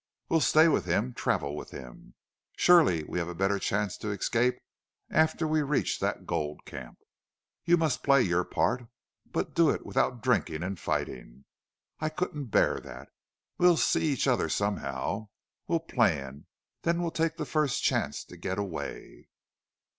We'll stay with him travel with him. Surely we'd have a better chance to excape after we reach that gold camp. You must play your part. But do it without drinking and fighting. I couldn't bear that. We'll see each other somehow. We'll plan. Then we'll take the first chance to get away."